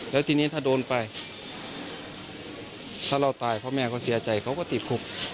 แล้วทีนี้ถ้าโดนไปถ้าเราตายพ่อแม่เขาเสียใจเขาก็ติดคุก